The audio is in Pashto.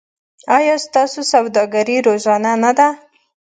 ایا ستاسو سوداګري روانه نه ده؟